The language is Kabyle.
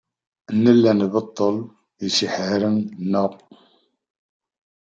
Nella nbeṭṭel isihaṛen-nneɣ.